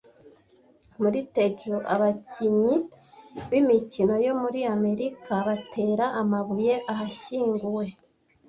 Muri Tejo abakinyi b'imikino yo muri Amerika batera amabuye ahashyinguwe